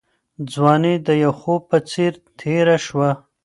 ځواني د یو خوب په څېر تېره شوه.